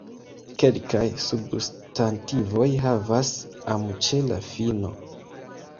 Kelkaj substantivoj havas "-am" ĉe la fino.